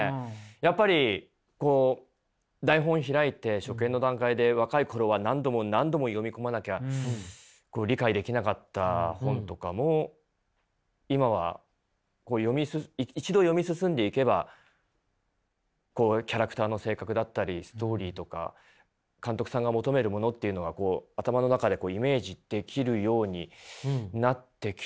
やっぱりこう台本開いて初見の段階で若い頃は何度も何度も読み込まなきゃ理解できなかった本とかも今は一度読み進んでいけばキャラクターの性格だったりストーリーとか監督さんが求めるものっていうのは頭の中でイメージできるようになってきているので。